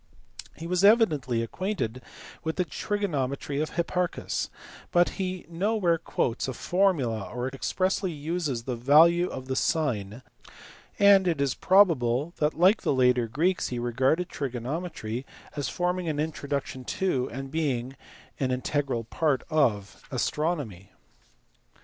He was evidently acquainted with the trigono metry of Hipparchus, but he nowhere quotes a formula or expressly uses the value of the sine, and it is probable that like the later Greeks he regarded trigonometry as forming an introduction to, and being an integral part of, astronomy.